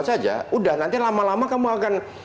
saja udah nanti lama lama kamu akan